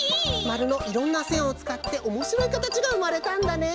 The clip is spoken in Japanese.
まるのいろんなせんをつかっておもしろいかたちがうまれたんだね！